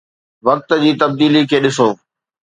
وقت جي تبديلي کي ڏسو.